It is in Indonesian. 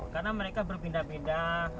karena mereka berpindah pindah